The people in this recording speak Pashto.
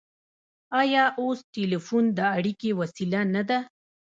آیا اوس ټیلیفون د اړیکې وسیله نه ده؟